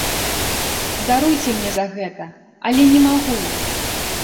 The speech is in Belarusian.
Даруйце мне за гэта, але не магу.